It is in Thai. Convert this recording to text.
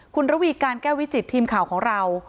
คุณระวีการแก้ววิจิตทีมข่าวของเรา